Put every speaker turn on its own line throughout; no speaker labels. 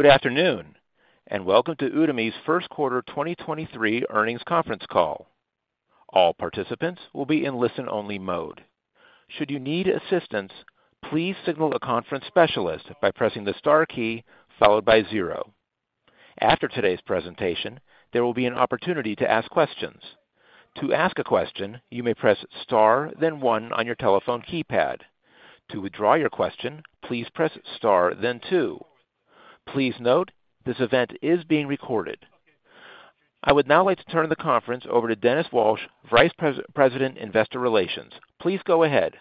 Good afternoon, welcome to Udemy's first quarter 2023 earnings conference call. All participants will be in listen-only mode. Should you need assistance, please signal the conference specialist by pressing the star key followed by 0. After today's presentation, there will be an opportunity to ask questions. To ask a question, you may press star then one on your telephone keypad. To withdraw your question, please press star then two. Please note, this event is being recorded. I would now like to turn the conference over to Dennis Walsh, Vice President Investor Relations. Please go ahead.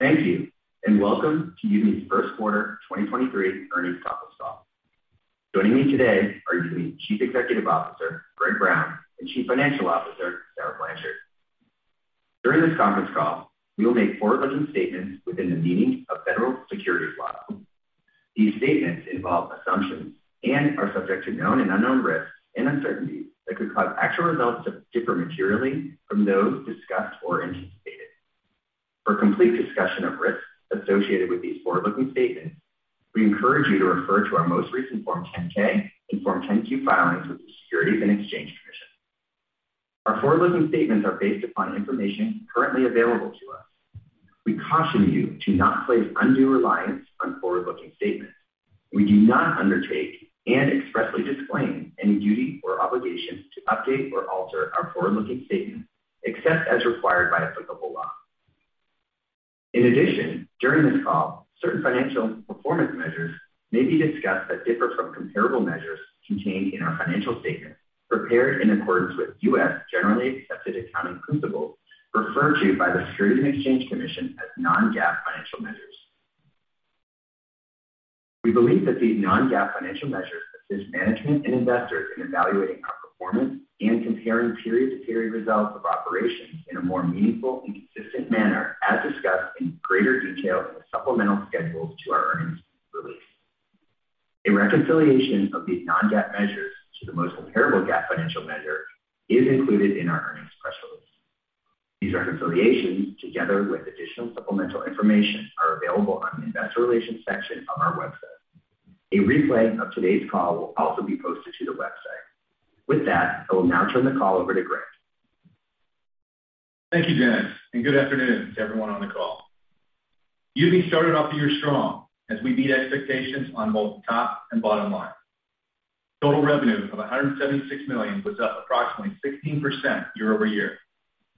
Thank you, and welcome to Udemy's first quarter 2023 earnings conference call. Joining me today are Udemy Chief Executive Officer, Greg Brown, and Chief Financial Officer, Sarah Blanchard. During this conference call, we will make forward-looking statements within the meaning of federal securities law. These statements involve assumptions and are subject to known and unknown risks and uncertainties that could cause actual results to differ materially from those discussed or anticipated. For a complete discussion of risks associated with these forward-looking statements, we encourage you to refer to our most recent Form 10-K and Form 10-Q filings with the Securities and Exchange Commission. Our forward-looking statements are based upon information currently available to us. We caution you to not place undue reliance on forward-looking statements. We do not undertake and expressly disclaim any duty or obligation to update or alter our forward-looking statements except as required by applicable law. In addition, during this call, certain financial performance measures may be discussed that differ from comparable measures contained in our financial statements prepared in accordance with U.S. generally accepted accounting principles referred to by the Securities and Exchange Commission as non-GAAP financial measures. We believe that these non-GAAP financial measures assist management and investors in evaluating our performance and comparing period-to-period results of operations in a more meaningful and consistent manner, as discussed in greater detail in the supplemental schedules to our earnings release. A reconciliation of these non-GAAP measures to the most comparable GAAP financial measure is included in our earnings press release. These reconciliations, together with additional supplemental information, are available on the investor relations section on our website. A replay of today's call will also be posted to the website. With that, I will now turn the call over to Greg.
Thank you, Dennis. Good afternoon to everyone on the call. Udemy started off the year strong as we meet expectations on both top and bottom line. Total revenue of $176 million was up approximately 16% year-over-year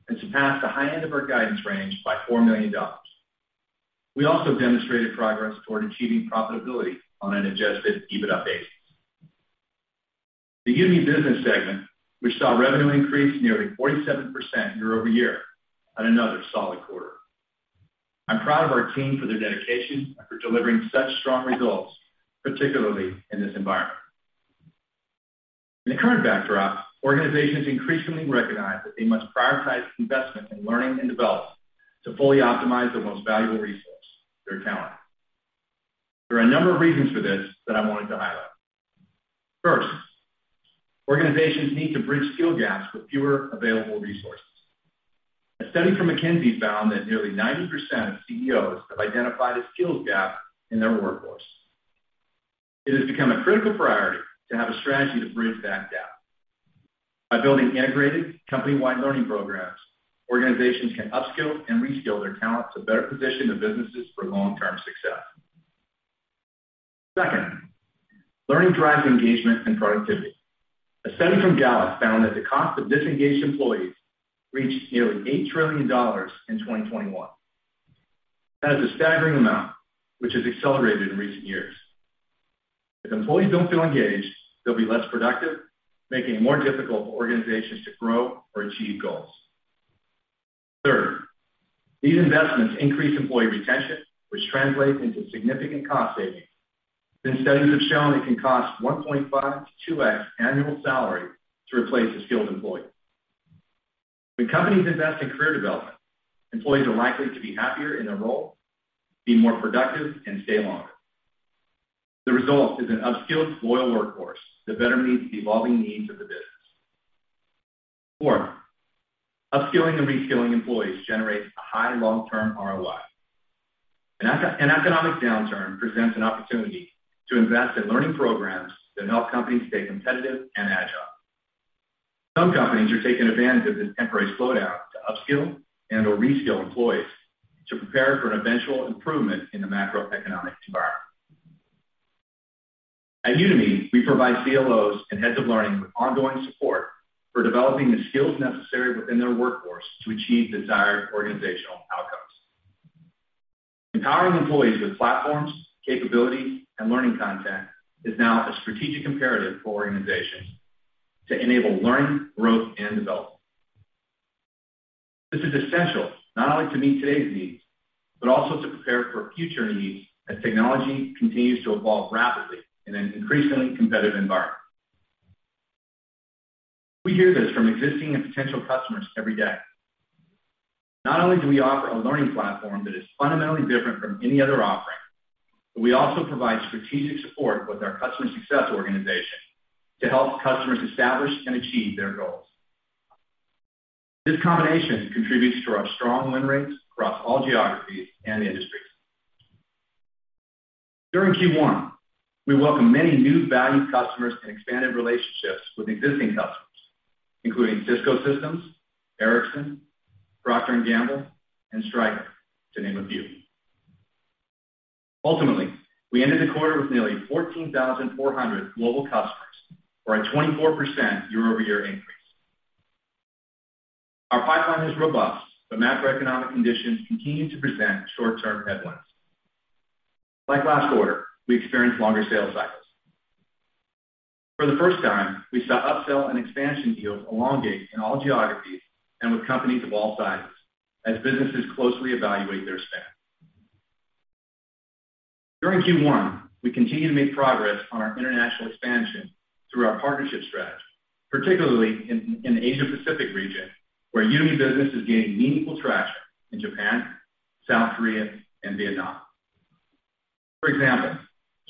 and surpassed the high end of our guidance range by $4 million. We also demonstrated progress toward achieving profitability on an adjusted EBITDA basis. The Udemy Business segment, which saw revenue increase nearly 47% year-over-year, had another solid quarter. I'm proud of our team for their dedication and for delivering such strong results, particularly in this environment. In the current backdrop, organizations increasingly recognize that they must prioritize investment in learning and development to fully optimize their most valuable resource, their talent. There are a number of reasons for this that I wanted to highlight. First, organizations need to bridge skill gaps with fewer available resources. A study from McKinsey found that nearly 90% of CEOs have identified a skills gap in their workforce. It has become a critical priority to have a strategy to bridge that gap. By building integrated company-wide learning programs, organizations can upskill and reskill their talent to better position the businesses for long-term success. Second, learning drives engagement and productivity. A study from Gallup found that the cost of disengaged employees reached nearly $8 trillion in 2021. That is a staggering amount, which has accelerated in recent years. If employees don't feel engaged, they'll be less productive, making it more difficult for organizations to grow or achieve goals. Third, these investments increase employee retention, which translates into significant cost savings, since studies have shown it can cost 1.5x to 2x annual salary to replace a skilled employee. When companies invest in career development, employees are likely to be happier in their role, be more productive and stay longer. The result is an upskilled, loyal workforce that better meets the evolving needs of the business. Four, upskilling and reskilling employees generates a high long-term ROI. An economic downturn presents an opportunity to invest in learning programs that help companies stay competitive and agile. Some companies are taking advantage of this temporary slowdown to upskill and/or reskill employees to prepare for an eventual improvement in the macroeconomic environment. At Udemy, we provide CLOs and heads of learning with ongoing support for developing the skills necessary within their workforce to achieve desired organizational outcomes. Empowering employees with platforms, capabilities, and learning content is now a strategic imperative for organizations to enable learning, growth, and development. This is essential not only to meet today's needs, but also to prepare for future needs as technology continues to evolve rapidly in an increasingly competitive environment. We hear this from existing and potential customers every day. Not only do we offer a learning platform that is fundamentally different from any other offering, but we also provide strategic support with our customer success organization to help customers establish and achieve their goals. This combination contributes to our strong win rates across all geographies and industries. During Q1, we welcome many new valued customers and expanded relationships with existing customers, including Cisco Systems, Ericsson, Procter & Gamble, and Stryker, to name a few. Ultimately, we ended the quarter with nearly 14,400 global customers, or a 24% year-over-year increase. Macroeconomic conditions continue to present short-term headwinds. Like last quarter, we experienced longer sales cycles. For the first time, we saw upsell and expansion deals elongate in all geographies and with companies of all sizes as businesses closely evaluate their spend. During Q1, we continued to make progress on our international expansion through our partnership strategy, particularly in Asia Pacific region, where Udemy Business is gaining meaningful traction in Japan, South Korea, and Vietnam. For example,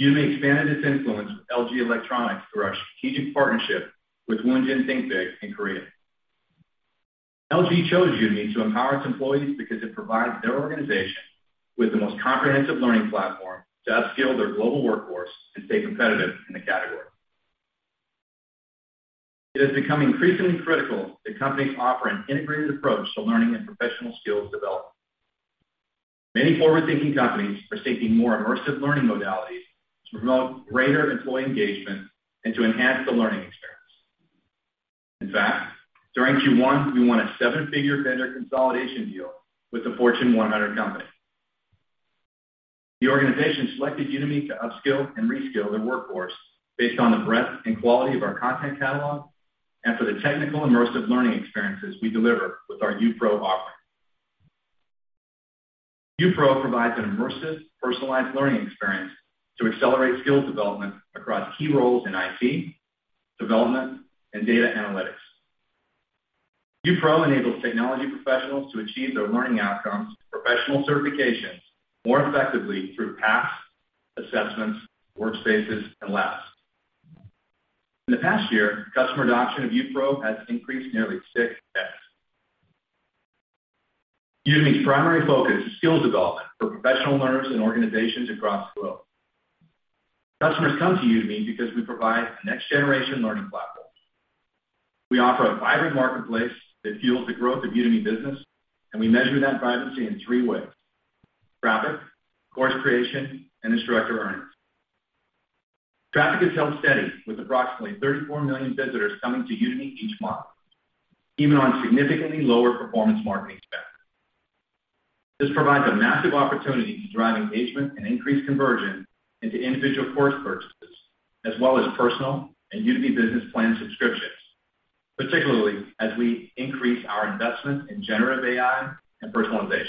Udemy expanded its influence with LG Electronics through our strategic partnership with Woongjin ThinkBig in Korea. LG chose Udemy to empower its employees because it provides their organization with the most comprehensive learning platform to upskill their global workforce and stay competitive in the category. It has become increasingly critical that companies offer an integrated approach to learning and professional skills development. Many forward-thinking companies are seeking more immersive learning modalities to promote greater employee engagement and to enhance the learning experience. In fact, during Q1, we won a seven-figure vendor consolidation deal with the Fortune 100 company. The organization selected Udemy to upskill and reskill their workforce based on the breadth and quality of our content catalog and for the technical immersive learning experiences we deliver with our UPro offering. UPro provides an immersive, personalized learning experience to accelerate skill development across key roles in IT, development, and data analytics. UPro enables technology professionals to achieve their learning outcomes for professional certifications more effectively through paths, assessments, workspaces, and labs. In the past year, customer adoption of UPro has increased nearly 6x. Udemy's primary focus is skills development for professional learners and organizations across the globe. Customers come to Udemy because we provide a next-generation learning platform. We offer a vibrant marketplace that fuels the growth of Udemy Business. We measure that vibrancy in three ways: traffic, course creation, and instructor earnings. Traffic has held steady with approximately 34 million visitors coming to Udemy each month, even on significantly lower performance marketing spend. This provides a massive opportunity to drive engagement and increase conversion into individual course purchases, as well as personal and Udemy Business plan subscriptions, particularly as we increase our investment in generative AI and personalization.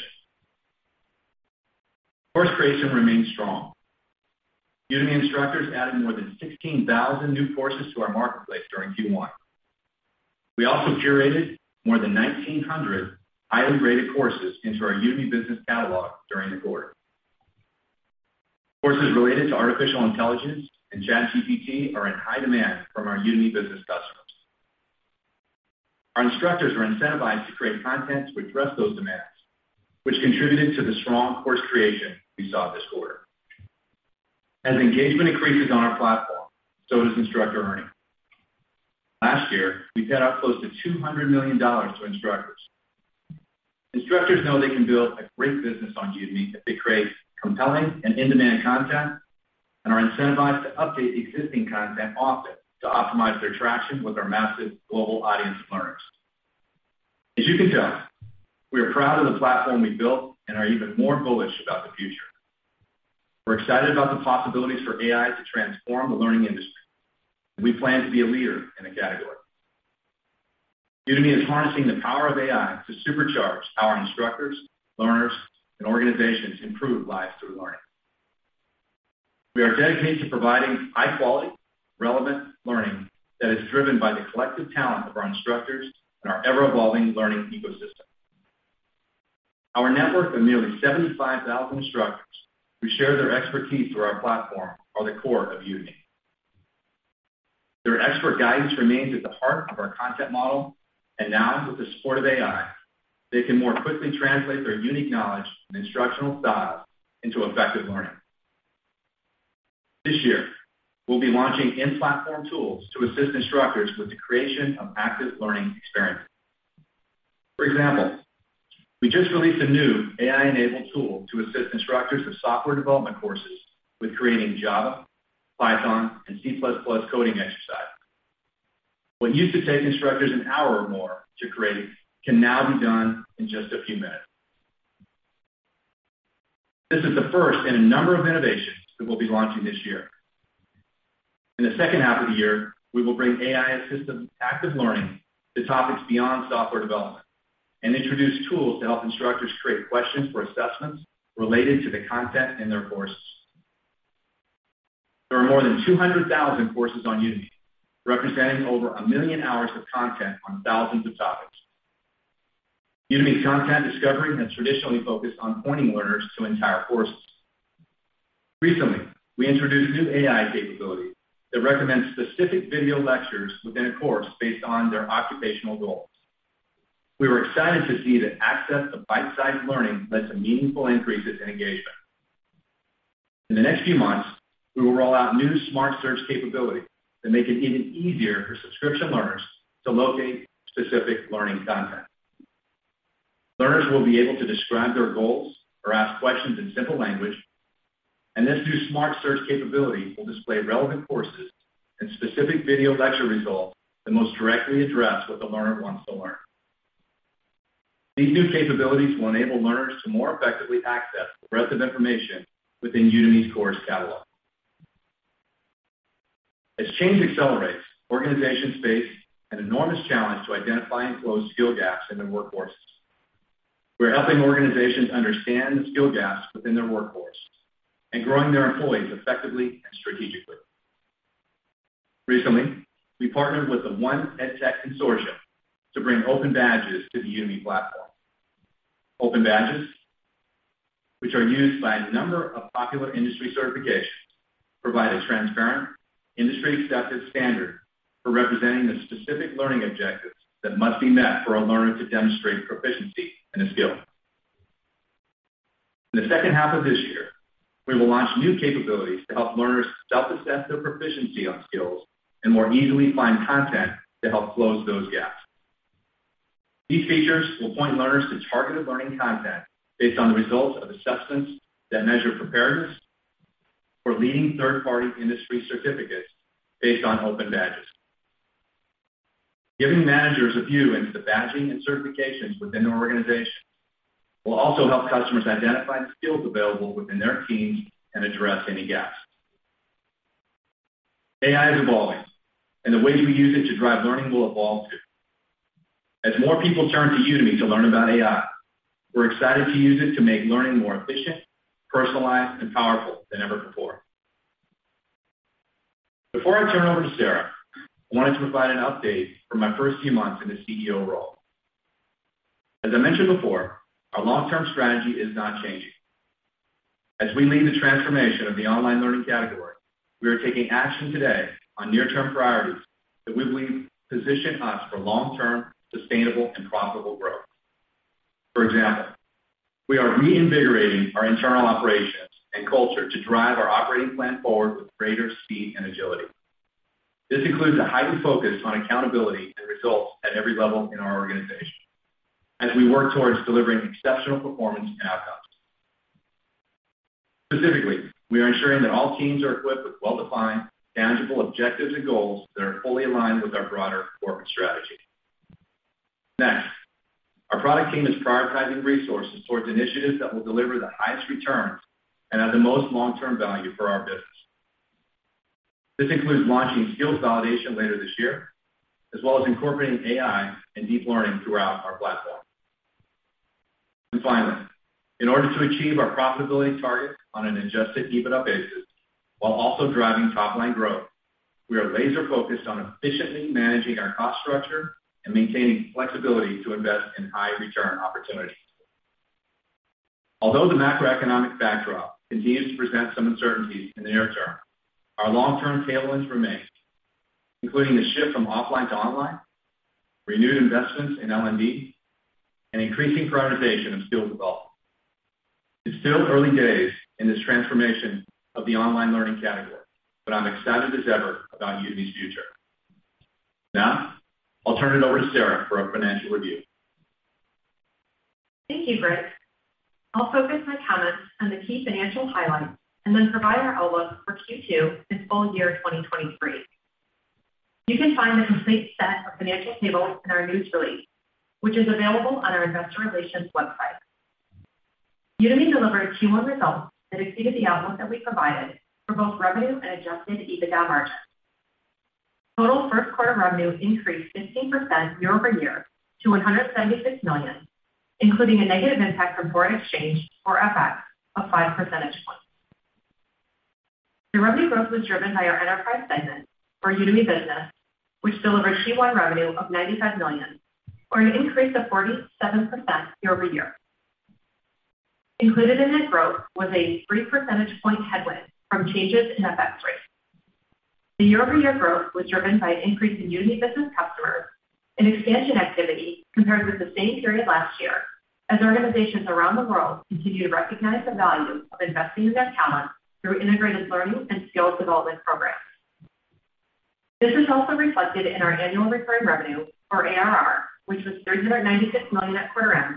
Course creation remains strong. Udemy instructors added more than 16,000 new courses to our marketplace during Q1. We also curated more than 1,900 highly rated courses into our Udemy Business catalog during the quarter. Courses related to artificial intelligence and ChatGPT are in high demand from our Udemy Business customers. Our instructors were incentivized to create content to address those demands, which contributed to the strong course creation we saw this quarter. As engagement increases on our platform, so does instructor earning. Last year, we paid out close to $200 million to instructors. Instructors know they can build a great business on Udemy if they create compelling and in-demand content and are incentivized to update existing content often to optimize their traction with our massive global audience of learners. As you can tell, we are proud of the platform we built and are even more bullish about the future. We're excited about the possibilities for AI to transform the learning industry. We plan to be a leader in the category. Udemy is harnessing the power of AI to supercharge how our instructors, learners, and organizations improve lives through learning. We are dedicated to providing high quality, relevant learning that is driven by the collective talent of our instructors and our ever-evolving learning ecosystem. Our network of nearly 75,000 instructors who share their expertise through our platform are the core of Udemy. Their expert guidance remains at the heart of our content model, and now with the support of AI, they can more quickly translate their unique knowledge and instructional style into effective learning. This year, we'll be launching in-platform tools to assist instructors with the creation of active learning experiences. For example, we just released a new AI-enabled tool to assist instructors of software development courses with creating Java, Python, and C++ coding exercises. What used to take instructors an hour or more to create can now be done in just a few minutes. This is the first in a number of innovations that we'll be launching this year. In the second half of the year, we will bring AI-assisted active learning to topics beyond software development and introduce tools to help instructors create questions for assessments related to the content in their courses. There are more than 200,000 courses on Udemy representing over 1 million hours of content on thousands of topics. Udemy content discovery has traditionally focused on pointing learners to entire courses. Recently, we introduced a new AI capability that recommends specific video lectures within a course based on their occupational goals. We were excited to see that access to bite-sized learning led to meaningful increases in engagement. In the next few months, we will roll out new smart search capability to make it even easier for subscription learners to locate specific learning content. Learners will be able to describe their goals or ask questions in simple language, this new smart search capability will display relevant courses and specific video lecture results that most directly address what the learner wants to learn. These new capabilities will enable learners to more effectively access the breadth of information within Udemy's course catalog. As change accelerates, organizations face an enormous challenge to identify and close skill gaps in their workforces. We're helping organizations understand the skill gaps within their workforce and growing their employees effectively and strategically. Recently, we partnered with the 1EdTech Consortium to bring Open Badges to the Udemy platform. Open Badges, which are used by a number of popular industry certifications, provide a transparent, industry-accepted standard for representing the specific learning objectives that must be met for a learner to demonstrate proficiency in a skill. In the second half of this year, we will launch new capabilities to help learners self-assess their proficiency on skills and more easily find content to help close those gaps. These features will point learners to targeted learning content based on the results of assessments that measure preparedness for leading third-party industry certificates based on Open Badges. Giving managers a view into the badging and certifications within their organization will also help customers identify the skills available within their teams and address any gaps. AI is evolving, and the ways we use it to drive learning will evolve too. As more people turn to Udemy to learn about AI, we're excited to use it to make learning more efficient, personalized, and powerful than ever before. Before I turn over to Sarah, I wanted to provide an update from my first few months in the CEO role. As I mentioned before, our long-term strategy is not changing. As we lead the transformation of the online learning category, we are taking action today on near-term priorities that we believe position us for long-term, sustainable, and profitable growth. For example, we are reinvigorating our internal operations and culture to drive our operating plan forward with greater speed and agility. This includes a heightened focus on accountability and results at every level in our organization as we work towards delivering exceptional performance and outcomes. Specifically, we are ensuring that all teams are equipped with well-defined, tangible objectives and goals that are fully aligned with our broader corporate strategy. Next, our product team is prioritizing resources towards initiatives that will deliver the highest returns and have the most long-term value for our business. This includes launching skills validation later this year, as well as incorporating AI and deep learning throughout our platform. Finally, in order to achieve our profitability targets on an adjusted EBITDA basis while also driving top-line growth, we are laser-focused on efficiently managing our cost structure and maintaining flexibility to invest in high-return opportunities. Although the macroeconomic backdrop continues to present some uncertainties in the near term, our long-term tailwinds remain, including the shift from offline to online, renewed investments in L&D, and increasing prioritization of skill development. It's still early days in this transformation of the online learning category, but I'm excited as ever about Udemy's future. Now, I'll turn it over to Sarah for our financial review.
Thank you, Greg. I'll focus my comments on the key financial highlights and then provide our outlook for Q2 and full year 2023. You can find the complete set of financial tables in our news release, which is available on our investor relations website. Udemy delivered Q1 results that exceeded the outlook that we provided for both revenue and adjusted EBITDA margin. Total first quarter revenue increased 15% year-over-year to $176 million, including a negative impact from foreign exchange, or FX, of five percentage points. The revenue growth was driven by our enterprise segment, or Udemy Business, which delivered Q1 revenue of $95 million, or an increase of 47% year-over-year. Included in this growth was a three percentage point headwind from changes in FX rates. The year-over-year growth was driven by an increase in Udemy Business customers and expansion activity compared with the same period last year, as organizations around the world continue to recognize the value of investing in their talent through integrated learning and skill development programs. This was also reflected in our annual recurring revenue, or ARR, which was $396 million at quarter end,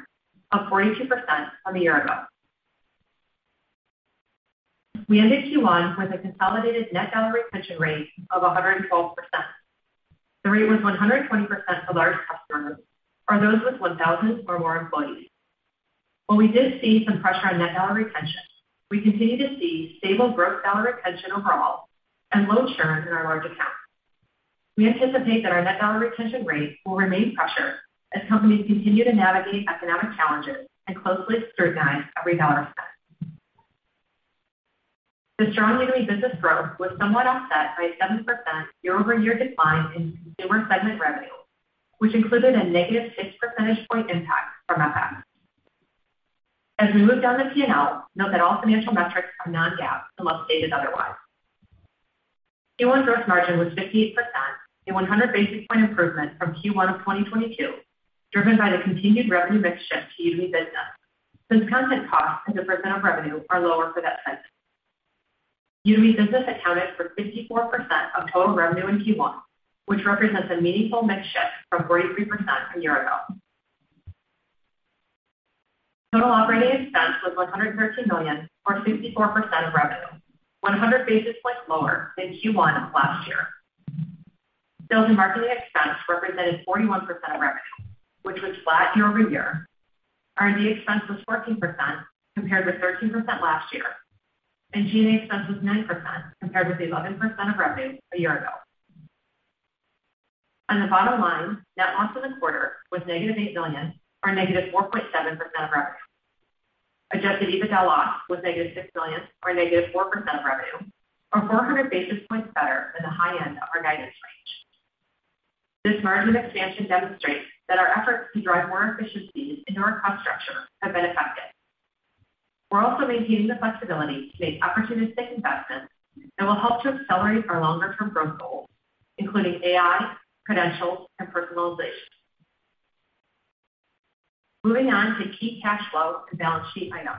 up 42% from the year ago. We ended Q1 with a consolidated net dollar retention rate of 112%. The rate was 120% for large customers, or those with 1,000 or more employees. While we did see some pressure on net dollar retention, we continue to see stable gross dollar retention overall and low churn in our large accounts. We anticipate that our net dollar retention rate will remain pressured as companies continue to navigate economic challenges and closely scrutinize every dollar spent. The strong Udemy Business growth was somewhat offset by a 7% year-over-year decline in consumer segment revenue, which included a negative six percentage point impact from FX. As we move down the P&L, note that all financial metrics are non-GAAP unless stated otherwise. Q1 gross margin was 58%, a 100 basis point improvement from Q1 of 2022, driven by the continued revenue mix shift to UB Business, since content costs as a percent of revenue are lower for that segment. UB Business accounted for 54% of total revenue in Q1, which represents a meaningful mix shift from 43% a year ago. Total operating expense was $113 million, or 64% of revenue, 100 basis points lower than Q1 of last year. Sales and marketing expense represented 41% of revenue, which was flat year-over-year. R&D expense was 14%, compared with 13% last year, and G&A expense was 9% compared with 11% of revenue a year ago. On the bottom line, net loss for the quarter was negative $8 million, or negative 4.7% of revenue. adjusted EBITDA loss was negative $6 million, or negative 4% of revenue, or 400 basis points better than the high end of our guidance range. This margin expansion demonstrates that our efforts to drive more efficiencies into our cost structure have been effective. We're also maintaining the flexibility to make opportunistic investments that will help to accelerate our longer-term growth goals, including AI, credentials, and personalization. Moving on to key cash flow and balance sheet items.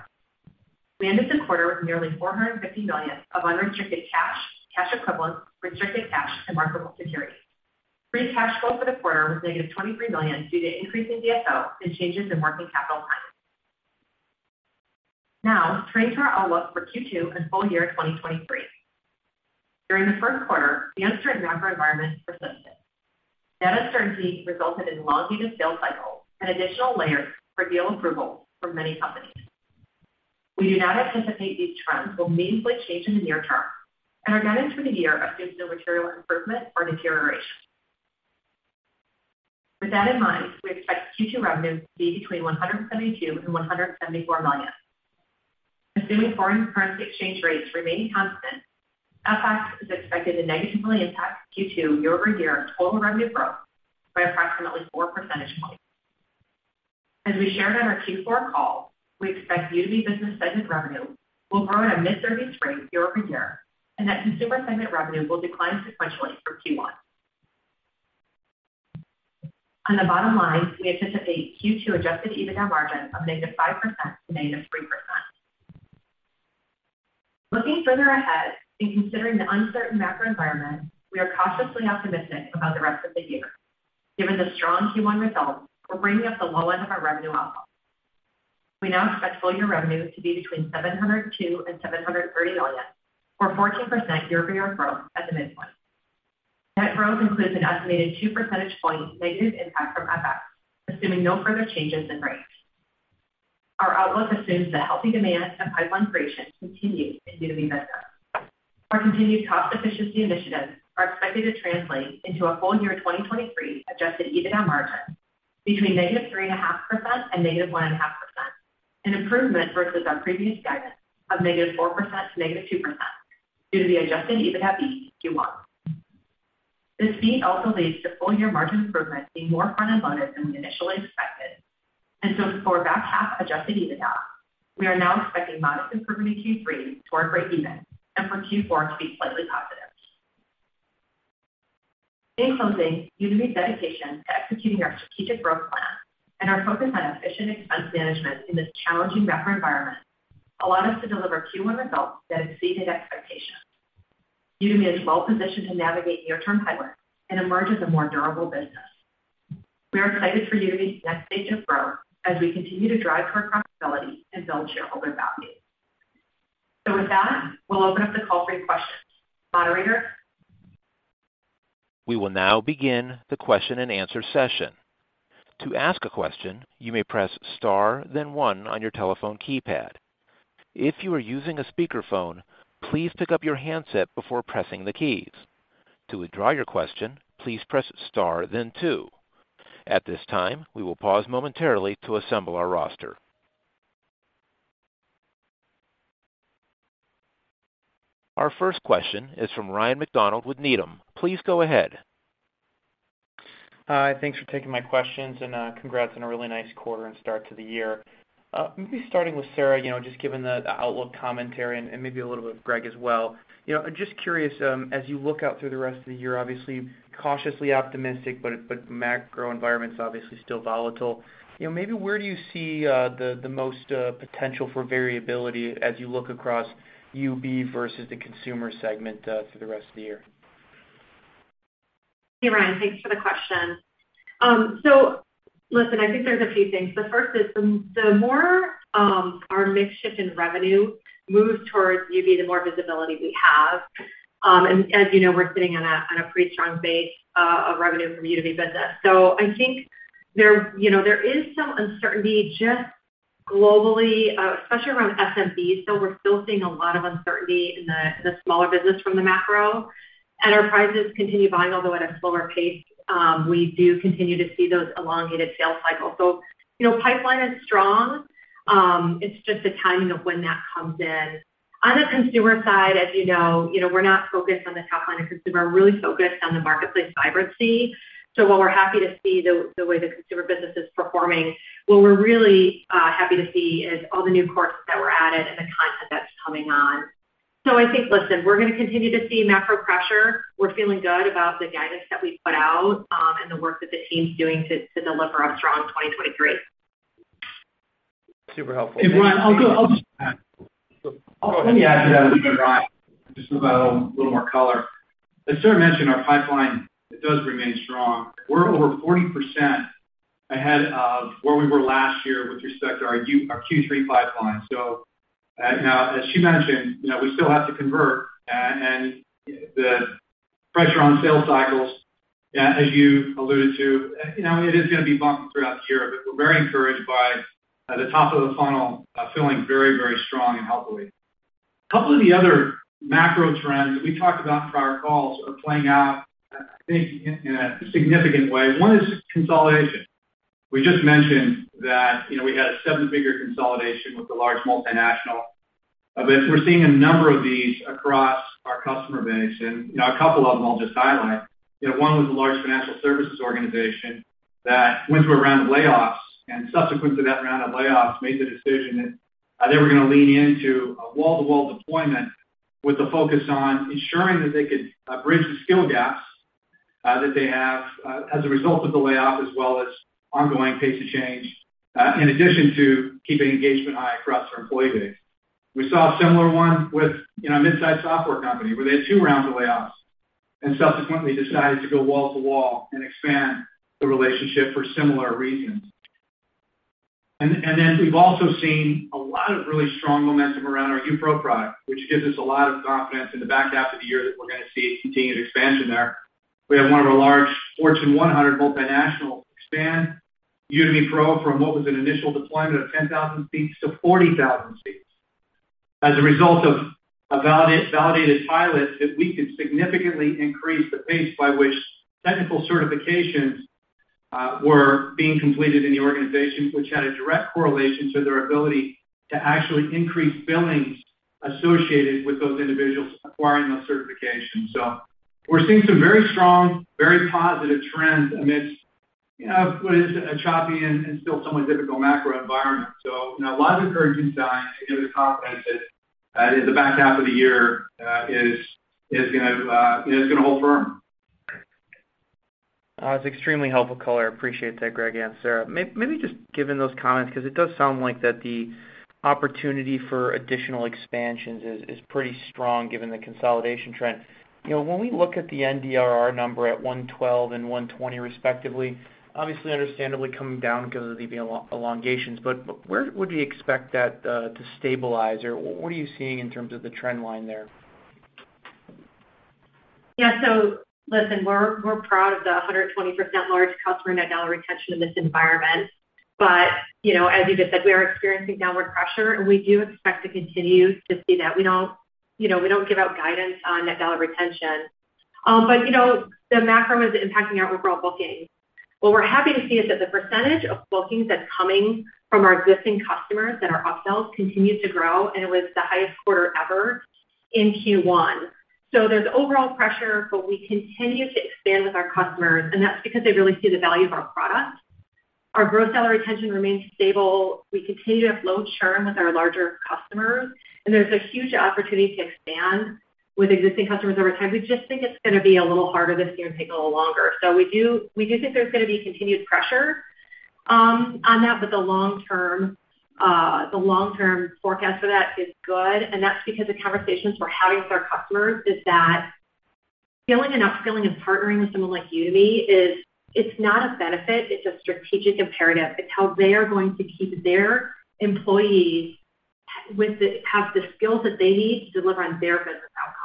We ended the quarter with nearly $450 million of unrestricted cash equivalents, restricted cash, and marketable securities. Free cash flow for the quarter was negative $23 million due to increase in DSO and changes in working capital timing. Now turning to our outlook for Q2 and full year 2023. During the first quarter, the uncertain macro environment persisted. That uncertainty resulted in elongated sales cycles and additional layers for deal approval for many companies. We do not anticipate these trends will meaningfully change in the near term, and our guidance for the year assumes no material improvement or deterioration. With that in mind, we expect Q2 revenue to be between $172 million and $174 million. Assuming foreign currency exchange rates remaining constant, FX is expected to negatively impact Q2 year-over-year total revenue growth by approximately four percentage points. As we shared on our Q4 call, we expect UB Business segment revenue will grow at a mid-teens rate year-over-year, and that Consumer segment revenue will decline sequentially from Q1. On the bottom line, we anticipate Q2 adjusted EBITDA margin of -5% to -3%. Looking further ahead considering the uncertain macro environment, we are cautiously optimistic about the rest of the year. Given the strong Q1 results, we're bringing up the low end of our revenue outlook. We now expect full year revenue to be between $702 million and $730 million, or 14% year-over-year growth at the midpoint. Net growth includes an estimated 2 percentage point negative impact from FX, assuming no further changes in rates. Our outlook assumes that healthy demand and pipeline creation continues in UB Business. Our continued cost efficiency initiatives are expected to translate into a full year 2023 adjusted EBITDA margin between -3.5% and -1.5%, an improvement versus our previous guidance of -4% to -2% due to the adjusted EBITDA beat Q1. This beat also leads to full year margin improvement being more front-end loaded than we initially expected. For back half adjusted EBITDA, we are now expecting modest improvement in Q3 to break even, and for Q4 to be slightly positive. In closing, UB's dedication to executing our strategic growth plan and our focus on efficient expense management in this challenging macro environment allowed us to deliver Q1 results that exceeded expectations. UB is well positioned to navigate near-term headwinds and emerge as a more durable business. We are excited for UB's next stage of growth as we continue to drive current profitability and build shareholder value. With that, we'll open up the call for any questions. Moderator?
We will now begin the question-and-answer session. To ask a question, you may press star then one on your telephone keypad. If you are using a speakerphone, please pick up your handset before pressing the keys. To withdraw your question, please press star then two. At this time, we will pause momentarily to assemble our roster. Our first question is from Ryan MacDonald with Needham. Please go ahead.
Hi, thanks for taking my questions and congrats on a really nice quarter and start to the year. Maybe starting with Sarah, you know, just given the outlook commentary and maybe a little bit with Greg as well. You know, I'm just curious, as you look out through the rest of the year, obviously cautiously optimistic, but macro environment's obviously still volatile. You know, maybe where do you see the most potential for variability as you look across UB versus the consumer segment for the rest of the year?
Hey, Ryan, thanks for the question. Listen, I think there's a few things. The first is the more, our mix shift in revenue moves towards UB, the more visibility we have. As you know, we're sitting on a, on a pretty strong base, of revenue from UB Business. I think there, you know, there is some uncertainty just globally, especially around SMBs, we're still seeing a lot of uncertainty in the smaller business from the macro. Enterprises continue buying, although at a slower pace. We do continue to see those elongated sales cycles. You know, pipeline is strong. It's just the timing of when that comes in. On the consumer side, as you know, you know, we're not focused on the top line of consumer. We're really focused on the marketplace vibrancy. While we're happy to see the way the consumer business is performing, what we're really happy to see is all the new courses that were added and the content that's coming on. I think, listen, we're gonna continue to see macro pressure. We're feeling good about the guidance that we put out and the work that the team's doing to deliver a strong 2023.
Super helpful.
Ryan, I'll just add. Let me add to that a little bit, Ryan, just to provide a little more color. As Sarah mentioned, our pipeline, it does remain strong. We're over 40% ahead of where we were last year with respect to our Q3 pipeline. Now as she mentioned, you know, we still have to convert and the pressure on sales cycles, as you alluded to, you know, it is gonna be bumpy throughout the year, but we're very encouraged by the top of the funnel, feeling very, very strong and healthy. A couple of the other macro trends that we talked about for our calls are playing out, I think in a significant way. One is consolidation. We just mentioned that, you know, we had a seven-figure consolidation with a large multinational. We're seeing a number of these across our customer base. You know, a couple of them I'll just highlight. You know, one was a large financial services organization that went through a round of layoffs, and subsequent to that round of layoffs, made the decision that they were gonna lean into a wall-to-wall deployment with the focus on ensuring that they could bridge the skill gaps that they have as a result of the layoff, as well as ongoing pace of change, in addition to keeping engagement high across their employee base. We saw a similar one with, you know, a mid-size software company where they had two rounds of layoffs and subsequently decided to go wall to wall and expand the relationship for similar reasons. Then we've also seen a lot of really strong momentum around our UPro product, which gives us a lot of confidence in the back half of the year that we're gonna see continued expansion there. We have one of our large Fortune 100 multinationals expand Udemy Pro from what was an initial deployment of 10,000 seats to 40,000 seats. As a result of a validated pilot, that we could significantly increase the pace by which technical certifications were being completed in the organization, which had a direct correlation to their ability to actually increase billings associated with those individuals acquiring those certifications. We're seeing some very strong, very positive trends amidst, you know, what is a choppy and still somewhat difficult macro environment. you know, a lot of encouraging signs to give us confidence that the back half of the year is gonna hold firm.
It's extremely helpful color. I appreciate that, Greg and Sarah. Maybe just given those comments, 'cause it does sound like that the opportunity for additional expansions is pretty strong given the consolidation trend. You know, when we look at the NDRR number at 112 and 120 respectively, obviously understandably coming down because of the elongations. Where would you expect that to stabilize, or what are you seeing in terms of the trend line there?
Yeah. So, listen, we're proud of the 120% large customer net dollar retention in this environment. you know, as you just said, we are experiencing downward pressure, and we do expect to continue to see that. We don't, you know, we don't give out guidance on net dollar retention. you know, the macro is impacting our overall bookings. What we're happy to see is that the percentage of bookings that's coming from our existing customers that are upsells continue to grow, and it was the highest quarter ever in Q1. there's overall pressure, but we continue to expand with our customers, and that's because they really see the value of our product. Our gross dollar retention remains stable. We continue to have low churn with our larger customers, and there's a huge opportunity to expand with existing customers over time. We just think it's gonna be a little harder this year and take a little longer. We do think there's gonna be continued pressure on that, but the long term, the long-term forecast for that is good, and that's because the conversations we're having with our customers is that feeling and upskilling and partnering with someone like Udemy is. It's not a benefit, it's a strategic imperative. It's how they are going to keep their employees have the skills that they need to deliver on their business outcomes.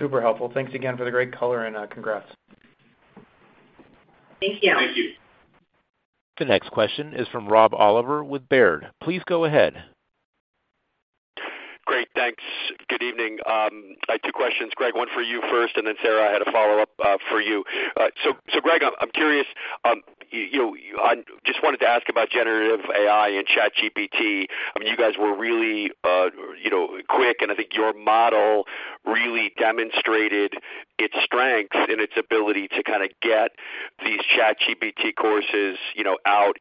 Super helpful. Thanks again for the great color and congrats.
Thank you.
Thank you.
The next question is from Rob Oliver with Baird. Please go ahead.
Great, thanks. Good evening. I had two questions, Greg. One for you first, and then Sarah, I had a follow-up for you. Greg, I'm curious, I just wanted to ask about generative AI and ChatGPT. I mean, you guys were really, you know, quick, and I think your model really demonstrated its strengths and its ability to kinda get these ChatGPT courses, you know, out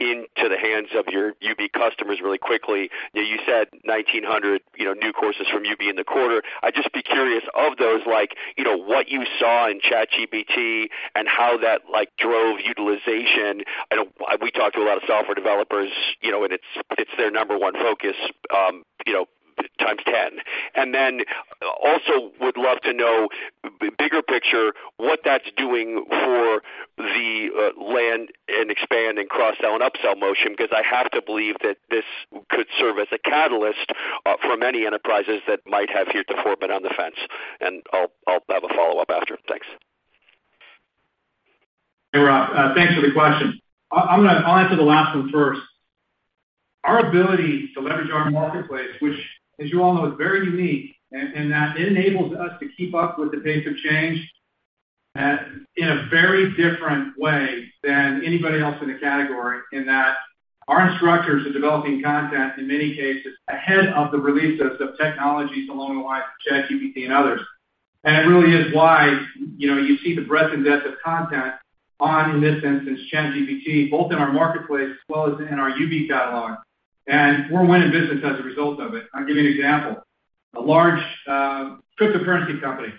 into the hands of your UB customers really quickly. You know, you said 1,900, you know, new courses from UB in the quarter. I'd just be curious of those, like, you know, what you saw in ChatGPT and how that, like, drove utilization. We talk to a lot of software developers, you know, and it's their number one focus, you know, times 10. Also would love to know, bigger picture, what that's doing for the land and expand and cross-sell and upsell motion. I have to believe that this could serve as a catalyst for many enterprises that might have heretofore been on the fence. I'll have a follow-up after. Thanks.
Hey, Rob. Thanks for the question. I'll answer the last one first. Our ability to leverage our marketplace, which as you all know, is very unique and that enables us to keep up with the pace of change in a very different way than anybody else in the category in that our instructors are developing content, in many cases ahead of the release of technologies along the lines of ChatGPT and others. It really is why, you know, you see the breadth and depth of content on in this instance, ChatGPT, both in our marketplace as well as in our UB catalog, and we're winning business as a result of it. I'll give you an example. A large cryptocurrency company,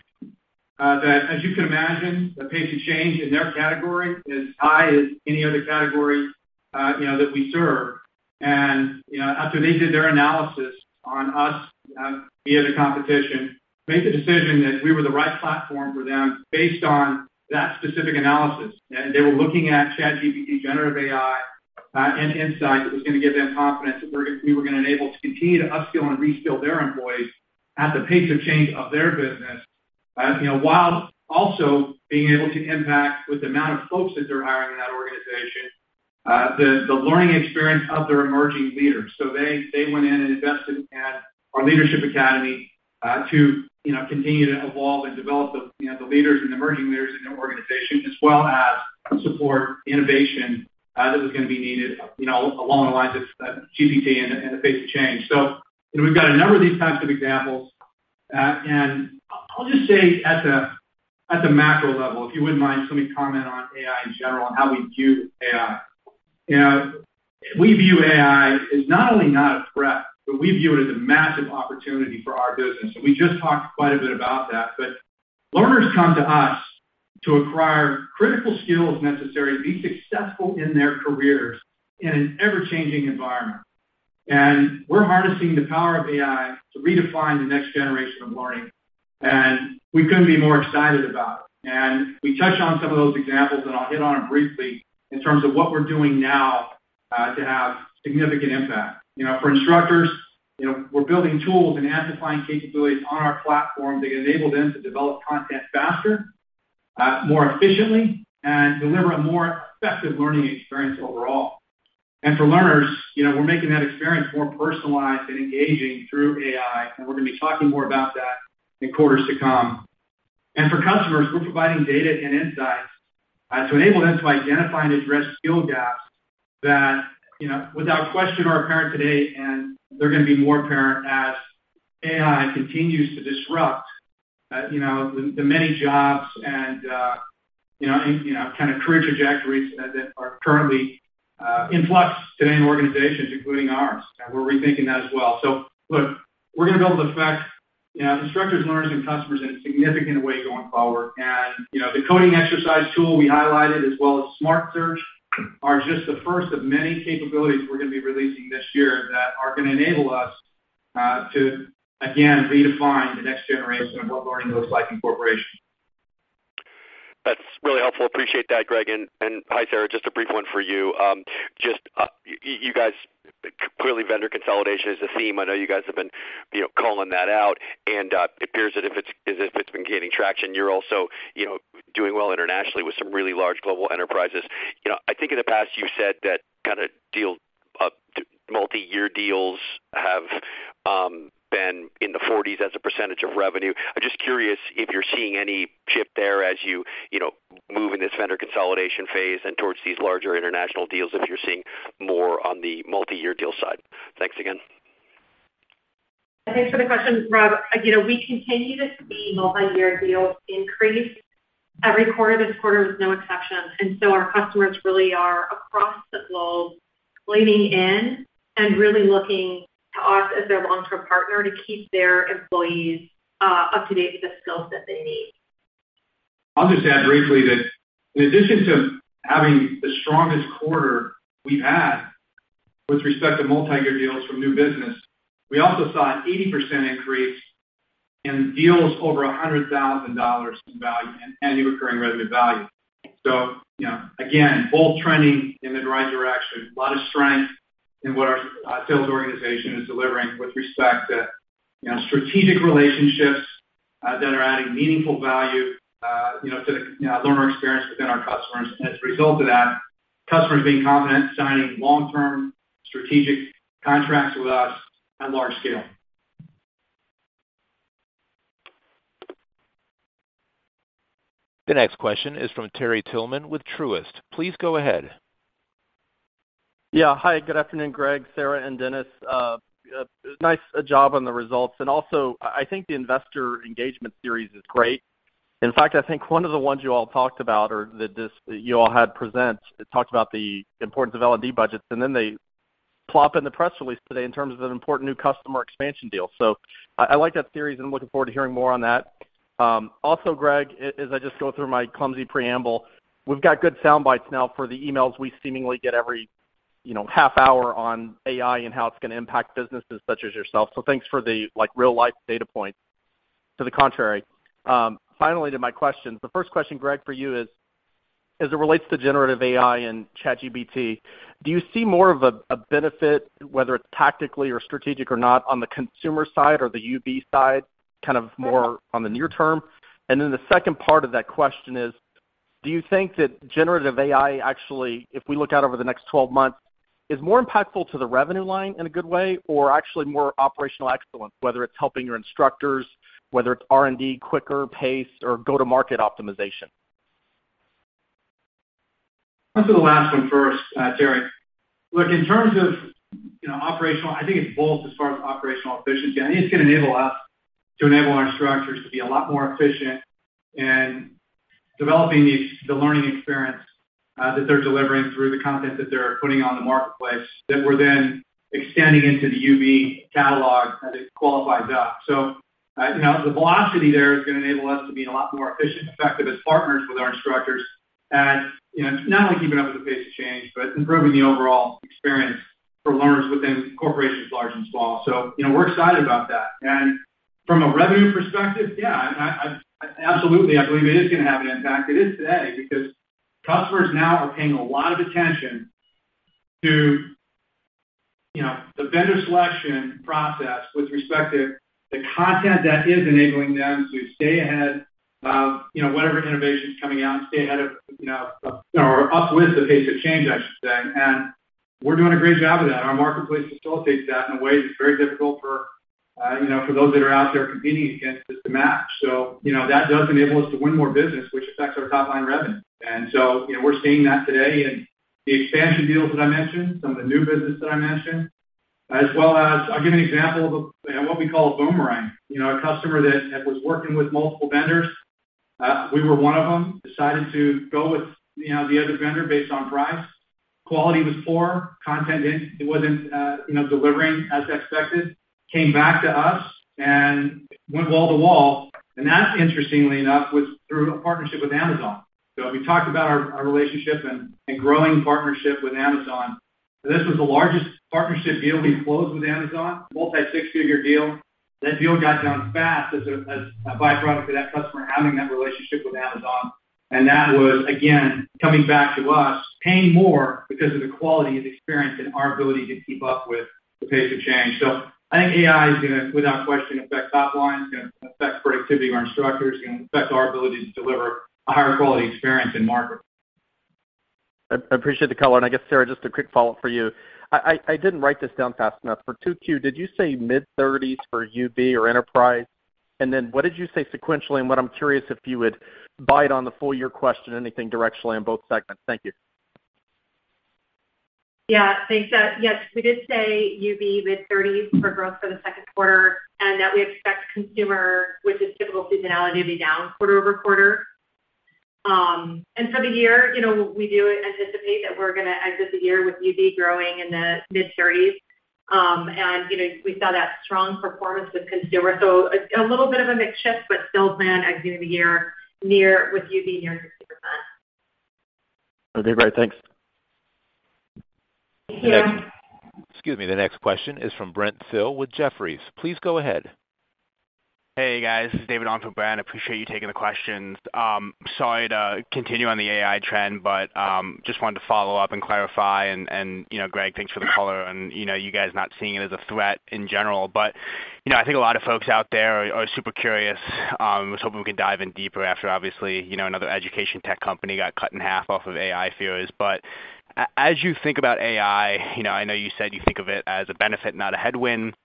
that as you can imagine, the pace of change in their category is high as any other category, you know, that we serve. You know, after they did their analysis on us, via the competition, made the decision that we were the right platform for them based on that specific analysis. They were looking at ChatGPT, generative AI, and insight that was gonna give them confidence that we were gonna enable to continue to upskill and reskill their employees at the pace of change of their business, you know, while also being able to impact with the amount of folks that they're hiring in that organization, the learning experience of their emerging leaders. They went in and invested in our Leadership Academy, to, you know, continue to evolve and develop the, you know, the leaders and emerging leaders in their organization as well as support innovation, that was gonna be needed, you know, along the lines of, GPT and the pace of change. You know, we've got a number of these types of examples. And I'll just say at the, at the macro level, if you wouldn't mind just let me comment on AI in general and how we view AI. You know, we view AI as not only not a threat, but we view it as a massive opportunity for our business. We just talked quite a bit about that. Learners come to us to acquire critical skills necessary to be successful in their careers in an ever-changing environment. We're harnessing the power of AI to redefine the next generation of learning, and we couldn't be more excited about it. We touched on some of those examples, and I'll hit on 'em briefly in terms of what we're doing now to have significant impact. You know, for instructors, you know, we're building tools and amplifying capabilities on our platform that enable them to develop content faster, more efficiently and deliver a more effective learning experience overall. For learners, you know, we're making that experience more personalized and engaging through AI, and we're gonna be talking more about that in quarters to come. For customers, we're providing data and insights to enable them to identify and address skill gaps that, you know, without question are apparent today, and they're gonna be more apparent as AI continues to disrupt, you know, the many jobs and, you know, kind of career trajectories that are currently in flux today in organizations, including ours. We're rethinking that as well. Look, we're gonna be able to affect, you know, instructors, learners, and customers in a significant way going forward. You know, the coding exercise tool we highlighted as well as Smart Search are just the first of many capabilities we're gonna be releasing this year that are gonna enable us to again, redefine the next generation of what learning looks like in corporations.
That's really helpful. Appreciate that, Greg. Hi, Sarah, just a brief one for you. Just you guys clearly vendor consolidation is a theme. I know you guys have been, you know, calling that out and it appears that as if it's been gaining traction, you're also, you know, doing well internationally with some really large global enterprises. You know, I think in the past you said that kinda deal, multi-year deals have been in the 40s as a percentage of revenue. I'm just curious if you're seeing any shift there as you know, move in this vendor consolidation phase and towards these larger international deals, if you're seeing more on the multi-year deal side? Thanks again.
Thanks for the question, Rob. You know, we continue to see multi-year deals increase every quarter. This quarter is no exception. Our customers really are across the globe leaning in and really looking to us as their long-term partner to keep their employees up to date with the skills that they need.
I'll just add briefly that in addition to having the strongest quarter we've had with respect to multi-year deals from new business, we also saw an 80% increase in deals over $100,000 in value and annual recurring revenue value. You know, again, both trending in the right direction. A lot of strength in what our sales organization is delivering with respect to, you know, strategic relationships that are adding meaningful value, you know, to the, you know, learner experience within our customers. As a result of that, customers being confident signing long-term strategic contracts with us at large scale.
The next question is from Terry Tillman with Truist. Please go ahead.
Yeah. Hi, good afternoon, Greg, Sarah, and Dennis. Nice job on the results. I think the investor engagement series is great. In fact, I think one of the ones you all talked about or that you all had present, it talked about the importance of L&D budgets, they plop in the press release today in terms of an important new customer expansion deal. I like that series, and I'm looking forward to hearing more on that. Also, Greg, as I just go through my clumsy preamble, we've got good sound bites now for the emails we seemingly get every, you know, half hour on AI and how it's gonna impact businesses such as yourself. Thanks for the, like, real-life data points to the contrary. Finally to my questions. The first question, Greg, for you is, as it relates to generative AI and ChatGPT, do you see more of a benefit, whether it's tactically or strategic or not, on the consumer side or the UB side, kind of more on the near term? The second part of that question is. Do you think that generative AI actually, if we look out over the next 12 months, is more impactful to the revenue line in a good way or actually more operational excellence, whether it's helping your instructors, whether it's R&D quicker pace or go-to-market optimization?
I'll do the last one first, Terry. In terms of, you know, operational, I think it's both as far as operational efficiency. I think it's going to enable us to enable our instructors to be a lot more efficient in developing the learning experience that they're delivering through the content that they're putting on the marketplace, that we're then extending into the UB catalog as it qualifies up. You know, the velocity there is going to enable us to be a lot more efficient and effective as partners with our instructors. You know, it's not only keeping up with the pace of change, but improving the overall experience for learners within corporations large and small. You know, we're excited about that. From a revenue perspective, yeah, I absolutely believe it is going to have an impact. It is today because customers now are paying a lot of attention to, you know, the vendor selection process with respect to the content that is enabling them to stay ahead of, you know, whatever innovation is coming out and stay ahead of, you know, or up with the pace of change, I should say. We're doing a great job of that. Our marketplace facilitates that in a way that's very difficult for, you know, for those that are out there competing against us to match. You know, that does enable us to win more business, which affects our top line revenue. You know, we're seeing that today in the expansion deals that I mentioned, some of the new business that I mentioned, as well as I'll give you an example of a, what we call a boomerang. You know, a customer that was working with multiple vendors, we were one of them, decided to go with, you know, the other vendor based on price. Quality was poor, content it wasn't, you know, delivering as expected. Came back to us and went wall to wall. That, interestingly enough, was through a partnership with Amazon. We talked about our relationship and growing partnership with Amazon. This was the largest partnership deal we closed with Amazon, multi-six-figure deal. That deal got done fast as a by-product of that customer having that relationship with Amazon. That was, again, coming back to us, paying more because of the quality of the experience and our ability to keep up with the pace of change. I think AI is gonna, without question, affect top line, it's gonna affect productivity of our instructors, it's gonna affect our ability to deliver a higher quality experience in market.
I appreciate the color. I guess, Sarah, just a quick follow-up for you. I didn't write this down fast enough. For 2Q, did you say mid-30s for UB or enterprise? What did you say sequentially? What I'm curious if you would bite on the full year question, anything directionally on both segments? Thank you.
Yeah. Thanks. Yes, we did say UB mid-thirties for growth for the second quarter, and that we expect consumer, which is typical seasonality, to be down quarter-over-quarter. For the year, you know, we do anticipate that we're gonna exit the year with UB growing in the mid-thirties. You know, we saw that strong performance with consumer. A little bit of a mix shift, but still plan exiting the year with UB near 60%.
Okay. Great. Thanks.
Yeah.
Excuse me. The next question is from Brent Thill with Jefferies. Please go ahead.
Hey, guys, this is David on for Brent. I appreciate you taking the questions. Sorry to continue on the AI trend, just wanted to follow up and clarify and, you know, Greg, thanks for the color and, you know, you guys not seeing it as a threat in general. You know, I think a lot of folks out there are super curious, was hoping we could dive in deeper after obviously, you know, another education tech company got cut in half off of AI fears. As you think about AI, you know, I know you said you think of it as a benefit, not a headwind.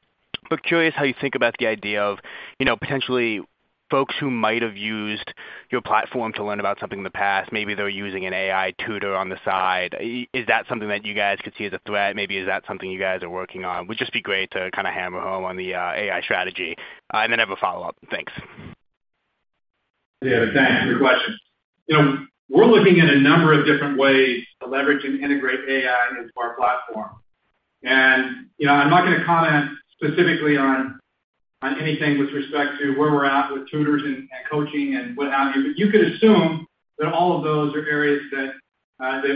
Curious how you think about the idea of, you know, potentially folks who might have used your platform to learn about something in the past. Maybe they're using an AI tutor on the side. Is that something that you guys could see as a threat? Maybe is that something you guys are working on? Would just be great to kinda hammer home on the AI strategy. I have a follow-up. Thanks.
Yeah, thanks for your question. You know, we're looking at a number of different ways to leverage and integrate AI into our platform. You know, I'm not gonna comment specifically on anything with respect to where we're at with tutors and coaching and what have you. You could assume that all of those are areas that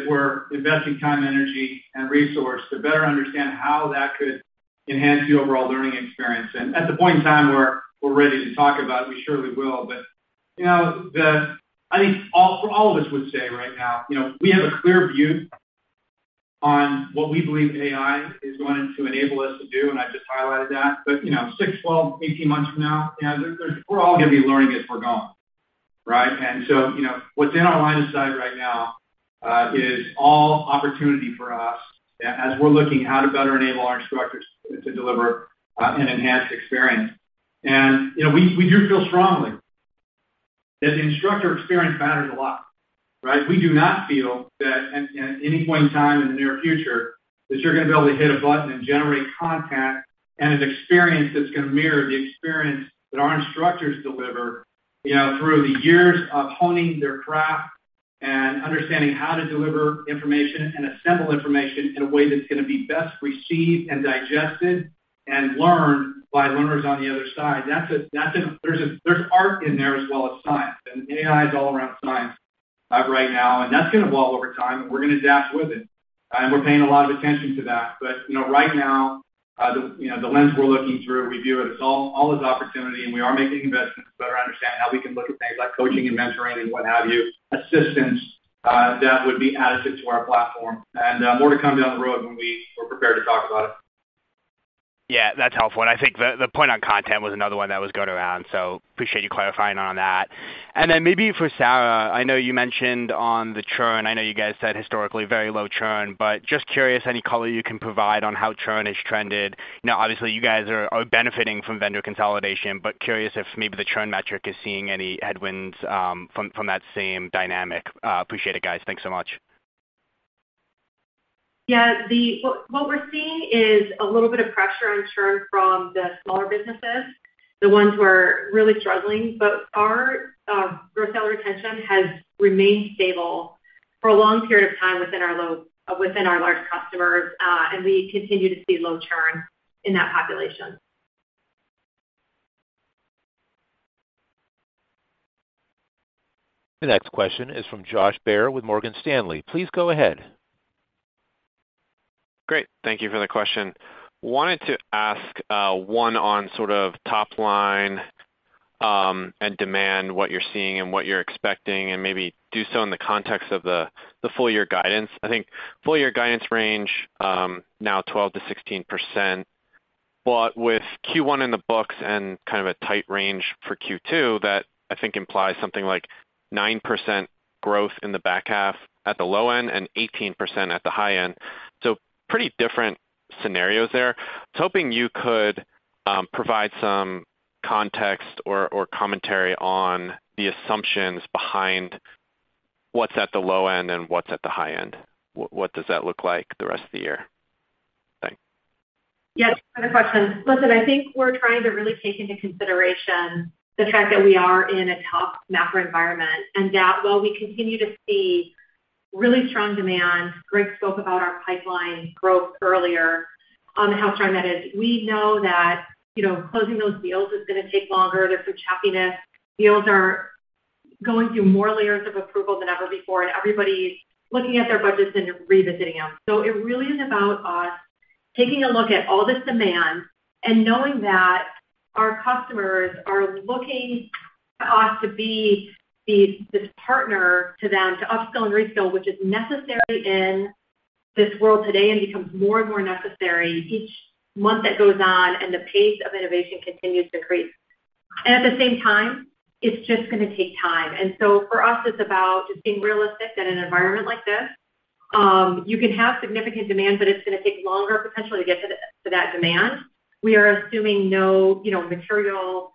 we're investing time and energy and resource to better understand how that could enhance the overall learning experience. At the point in time where we're ready to talk about it, we surely will. You know, I think all of us would say right now, you know, we have a clear view on what we believe AI is going to enable us to do, and I just highlighted that. You know, six, 12, 18 months from now, you know, there's, we're all gonna be learning as we're going, right? You know, what's in our line of sight right now, is all opportunity for us as we're looking how to better enable our instructors to deliver an enhanced experience. You know, we do feel strongly that the instructor experience matters a lot, right? We do not feel that at any point in time in the near future, that you're gonna be able to hit a button and generate content and an experience that's gonna mirror the experience that our instructors deliver, you know, through the years of honing their craft and understanding how to deliver information and assemble information in a way that's gonna be best received and digested and learned by learners on the other side. There's a, there's art in there as well as science, and AI is all around science right now, and that's gonna evolve over time, and we're gonna adapt with it. We're paying a lot of attention to that. You know, right now, the, you know, the lens we're looking through, we view it as all as opportunity, and we are making investments to better understand how we can look at things like coaching and mentoring and what have you, assistance that would be added to our platform. More to come down the road when we were prepared to talk about it.
Yeah, that's helpful. I think the point on content was another one that was good around, so appreciate you clarifying on that. Then maybe for Sarah, I know you mentioned on the churn. I know you guys said historically very low churn, but just curious any color you can provide on how churn has trended. Now, obviously, you guys are benefiting from vendor consolidation, but curious if maybe the churn metric is seeing any headwinds from that same dynamic. Appreciate it, guys. Thanks so much.
Yeah. What we're seeing is a little bit of pressure on churn from the smaller businesses, the ones who are really struggling. Our reseller retention has remained stable for a long period of time within our within our large customers, and we continue to see low churn in that population.
The next question is from Josh Baer with Morgan Stanley. Please go ahead.
Great. Thank you for the question. Wanted to ask one on sort of top line and demand, what you're seeing and what you're expecting, and maybe do so in the context of the full year guidance. I think full year guidance range, now 12%-16%. With Q1 in the books and kind of a tight range for Q2, that I think implies something like 9% growth in the back half at the low end and 18% at the high end. Pretty different scenarios there. I was hoping you could provide some context or commentary on the assumptions behind what's at the low end and what's at the high end. What does that look like the rest of the year? Thanks.
Yeah, good question. Listen, I think we're trying to really take into consideration the fact that we are in a tough macro environment, that while we continue to see really strong demand, Greg spoke about our pipeline growth earlier on the health trend that is, we know that, you know, closing those deals is gonna take longer. There's some choppiness. Deals are going through more layers of approval than ever before, everybody's looking at their budgets and revisiting them. It really is about us taking a look at all this demand and knowing that our customers are looking to us to be this partner to them to upskill and reskill, which is necessary in this world today and becomes more and more necessary each month that goes on and the pace of innovation continues to increase. At the same time, it's just gonna take time. For us, it's about just being realistic that in an environment like this, you can have significant demand, but it's gonna take longer potentially to get to that demand. We are assuming no, you know, material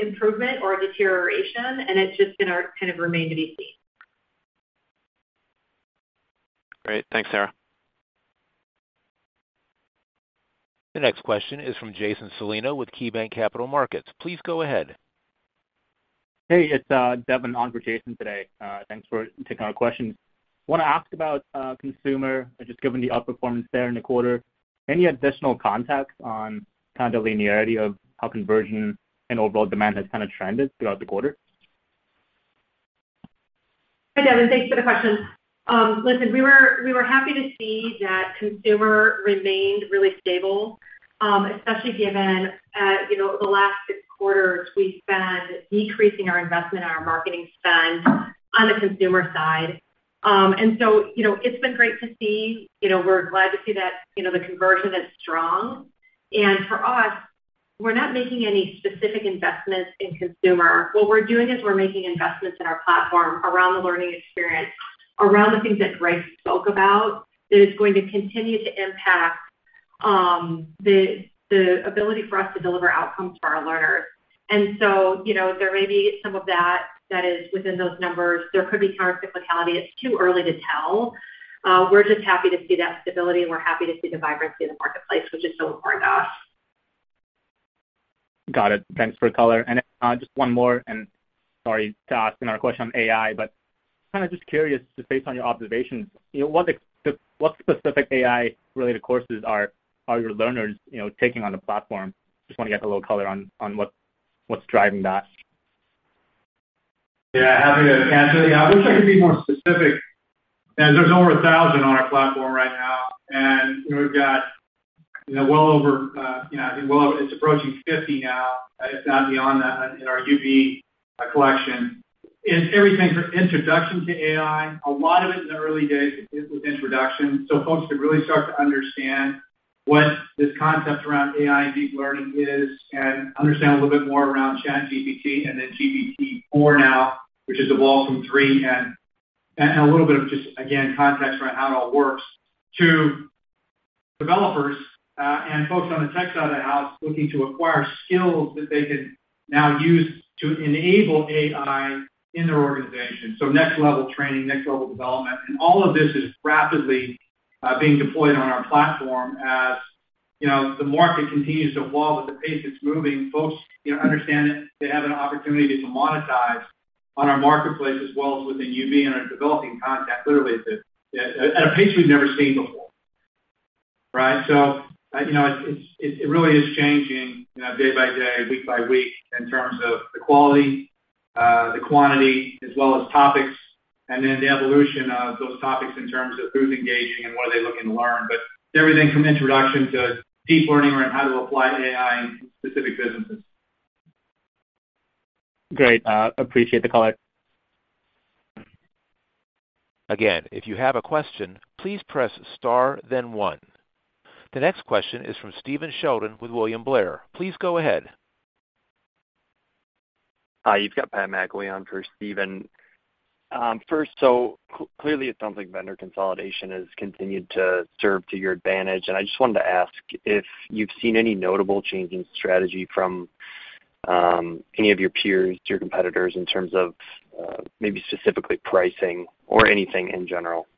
improvement or deterioration, and it's just gonna kind of remain to be seen.
Great. Thanks, Sarah.
The next question is from Jason Celino with KeyBanc Capital Markets. Please go ahead.
Hey, it's, Devin on for Jason today. Thanks for taking our questions. Wanna ask about, consumer, just given the outperformance there in the quarter. Any additional context on kind of the linearity of how conversion and overall demand has kinda trended throughout the quarter?
Hi, Devin. Thanks for the question. Listen, we were happy to see that consumer remained really stable, especially given, you know, the last six quarters we spent decreasing our investment and our marketing spend on the consumer side. You know, it's been great to see. You know, we're glad to see that, you know, the conversion is strong. For us, we're not making any specific investments in consumer. What we're doing is we're making investments in our platform around the learning experience, around the things that Greg spoke about, that is going to continue to impact the ability for us to deliver outcomes for our learners. You know, there may be some of that that is within those numbers. There could be some cyclicality. It's too early to tell. We're just happy to see that stability. We're happy to see the vibrancy in the marketplace, which is so important to us.
Got it. Thanks for the color. Just one more, and sorry to ask another question on AI, but kinda just curious just based on your observations, you know, what specific AI-related courses are your learners, you know, taking on the platform? Just wanna get a little color on what's driving that.
Yeah, happy to answer that. I wish I could be more specific as there's over 1,000 on our platform right now, and, you know, we've got, you know, well over, you know, it's approaching 50 now. It's not beyond that in our UB collection. It's everything from introduction to AI. A lot of it in the early days is with introduction, so folks can really start to understand what this concept around AI and deep learning is and understand a little bit more around ChatGPT and then GPT-4 now, which is evolved from three. And a little bit of just, again, context around how it all works to developers, and folks on the tech side of the house looking to acquire skills that they can now use to enable AI in their organization. Next level training, next level development. All of this is rapidly being deployed on our platform as, you know, the market continues to evolve at the pace it's moving. Folks, you know, understand that they have an opportunity to monetize on our marketplace as well as within UB and our developing content literally at a pace we've never seen before, right? You know, it really is changing, you know, day by day, week by week in terms of the quality, the quantity, as well as topics, and then the evolution of those topics in terms of who's engaging and what are they looking to learn. Everything from introduction to deep learning around how to apply AI in specific businesses.
Great. Appreciate the color.
Again, if you have a question, please press star then one. The next question is from Stephen Sheldon with William Blair. Please go ahead.
Hi. You've got Patrick McIlwee on for Stephen. First, clearly it sounds like vendor consolidation has continued to serve to your advantage, and I just wanted to ask if you've seen any notable change in strategy from any of your peers, your competitors in terms of maybe specifically pricing or anything in general?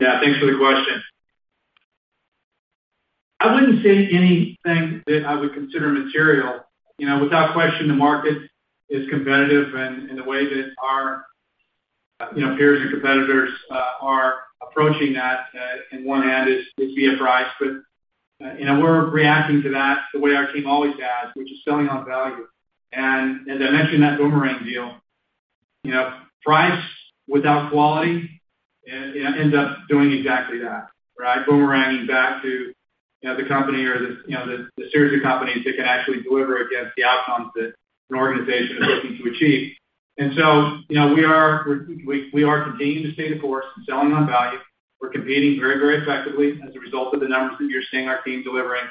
Yeah, thanks for the question. I wouldn't say anything that I would consider material. Without question, the market is competitive, and the way that our, you know, peers or competitors are approaching that in one hand is via price. We're reacting to that the way our team always has, which is selling on value. As I mentioned that boomerang deal, you know, price without quality ends up doing exactly that, right? Boomeranging back to, you know, the company or the, you know, the series of companies that can actually deliver against the outcomes that an organization is looking to achieve. We are continuing to stay the course and selling on value. We're competing very effectively as a result of the numbers that you're seeing our team delivering.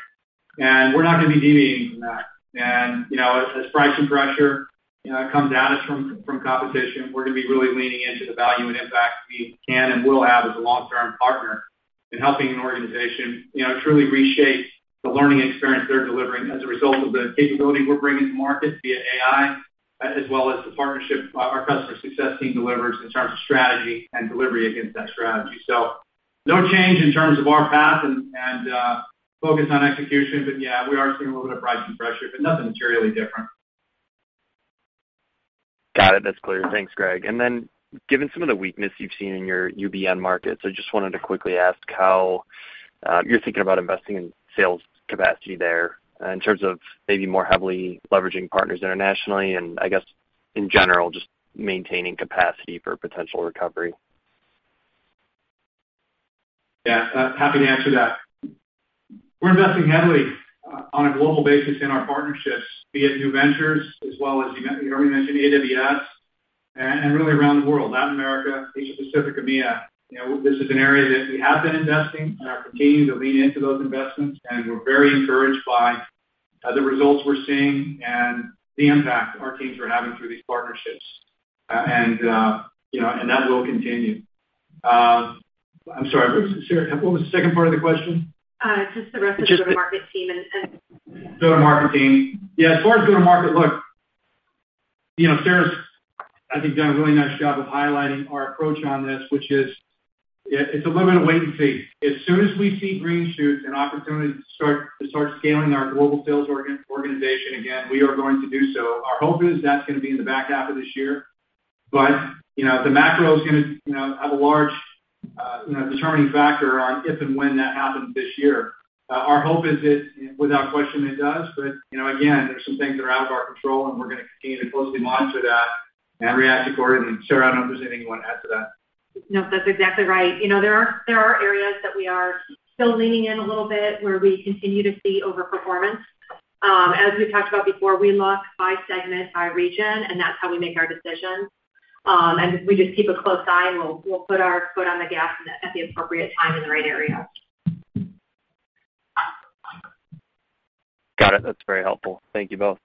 We're not gonna be deviating from that. You know, as pricing pressure, you know, comes at us from competition, we're gonna be really leaning into the value and impact we can and will have as a long-term partner in helping an organization, you know, truly reshape the learning experience they're delivering as a result of the capability we're bringing to market via AI, as well as the partnership our customer success team delivers in terms of strategy and delivery against that strategy. No change in terms of our path and focus on execution. Yeah, we are seeing a little bit of pricing pressure, but nothing materially different.
Got it. That's clear. Thanks, Greg. Given some of the weakness you've seen in your SMB markets, I just wanted to quickly ask how you're thinking about investing in sales capacity there in terms of maybe more heavily leveraging partners internationally and I guess in general just maintaining capacity for potential recovery?
Yeah. Happy to answer that. We're investing heavily on a global basis in our partnerships, be it new ventures as well as you heard me mention AWS and really around the world, Latin America, Asia Pacific, EMEA. You know, this is an area that we have been investing and are continuing to lean into those investments. We're very encouraged by the results we're seeing and the impact our teams are having through these partnerships. You know, that will continue. I'm sorry, Sarah, what was the second part of the question?
just the rest of the go-to-market team and
Go-to-market team. Yeah, as far as go-to-market, look, you know, Sarah's, I think, done a really nice job of highlighting our approach on this, which is it's a little bit of wait and see. As soon as we see green shoots and opportunities to start scaling our global sales organization again, we are going to do so. Our hope is that's gonna be in the back half of this year. You know, the macro is gonna, you know, have a large, you know, determining factor on if and when that happens this year. Our hope is it, without question it does. You know, again, there's some things that are out of our control, and we're gonna continue to closely monitor that and react accordingly. Sarah, I don't know if there's anything you wanna add to that.
No, that's exactly right. You know, there are areas that we are still leaning in a little bit where we continue to see overperformance. As we've talked about before, we look by segment, by region, and that's how we make our decisions. We just keep a close eye and we'll put our foot on the gas at the, at the appropriate time in the right area.
Got it. That's very helpful. Thank you both.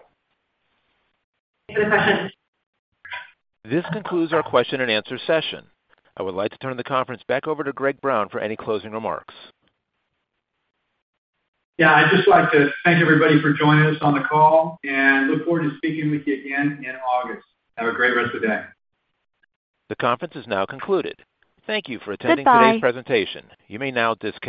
Thank you for the question.
This concludes our question and answer session. I would like to turn the conference back over to Greg Brown for any closing remarks.
Yeah. I'd just like to thank everybody for joining us on the call and look forward to speaking with you again in August. Have a great rest of the day.
The conference is now concluded. Thank you for attending.... today's presentation. You may now disconnect.